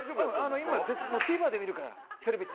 今、もうＴＶｅｒで見るから、テレビって。